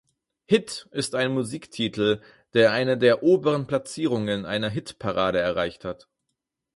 Hit ist ein Musiktitel, der eine der oberen Platzierungen einer Hitparade erreicht hat.